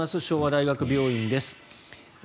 昭和大学病院です。